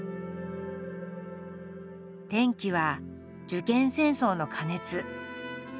転機は受験戦争の過熱。